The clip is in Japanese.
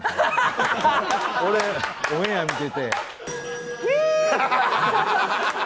俺オンエア見てて。